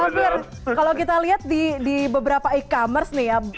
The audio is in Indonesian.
sofir kalau kita lihat di beberapa e commerce nih ya